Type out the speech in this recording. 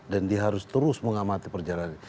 dan dia harus terus mengamati perjalanan